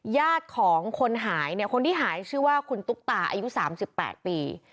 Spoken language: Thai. ญาติของคนหายเนี่ยคนที่หายชื่อว่าคุณตุ๊กตาอายุ๓๘ปี